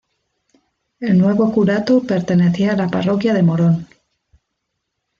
El nuevo curato pertenecía a la Parroquia de Morón.